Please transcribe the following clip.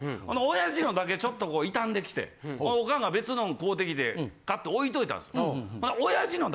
親父のだけちょっと傷んできてオカンが別のん買うてきて置いといたんです。